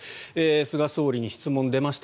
菅総理に質問、出ました。